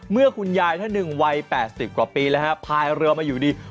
คุณยายท่านหนึ่งวัย๘๐กว่าปีแล้วฮะพายเรือมาอยู่ดี